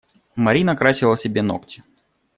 Марина красила себе ногти.